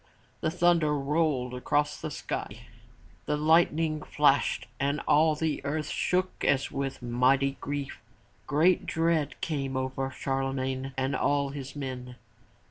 The thunder rolled across the sky, the lightning flashed and all the earth shook as with mighty grief. Great dread came over Charlemagne and all his men.